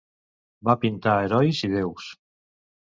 Va pintar herois i deus.